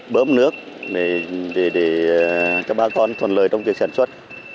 bơm nước để cho bà con thuận lợi trong việc sản xuất